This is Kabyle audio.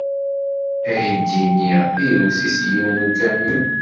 Aydi-nni iwet-it yiwen n ukamyun.